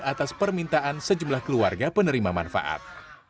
atas permintaan sejumlah keluarga penerima manfaat